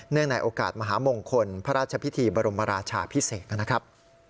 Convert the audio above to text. ในโอกาสมหามงคลพระราชพิธีบรมราชาพิเศษนะครับ